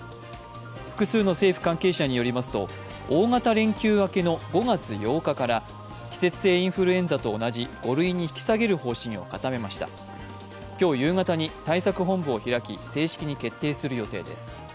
複数の政府関係者によりますと大型連休明けの５月８日から季節性インフルエンザと同じ５類に引き下げる方針を固めました今日夕方に対策本部を開き、正式に決定する予定です。